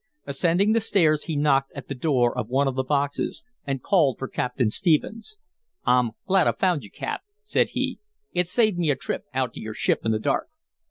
Ascending the stairs, he knocked at the door of one of the boxes and called for Captain Stephens. "I'm glad I found you, Cap," said he. "It saved me a trip out to your ship in the dark."